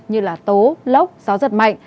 như tố lốc gió giật mạnh